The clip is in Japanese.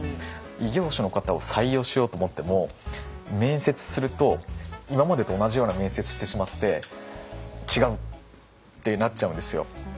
異業種の方を採用しようと思っても面接すると今までと同じような面接してしまって違うってなっちゃうんですよ。